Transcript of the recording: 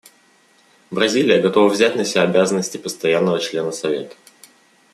Бразилия готова взять на себя обязанности постоянного члена Совета.